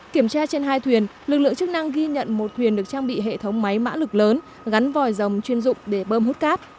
kiểm tra trên hai thuyền lực lượng chức năng ghi nhận một thuyền được trang bị hệ thống máy mã lực lớn gắn vòi rồng chuyên dụng để bơm hút cát